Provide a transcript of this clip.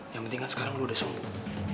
yang penting kan sekarang udah sembuh